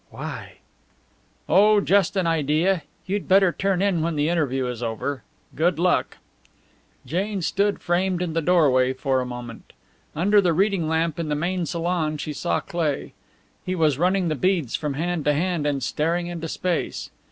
"Why?" "Oh, just an idea. You'd better turn in when the interview is over. Good luck." Jane stood framed in the doorway for a moment. Under the reading lamp in the main salon she saw Cleigh. He was running the beads from hand to hand and staring into space.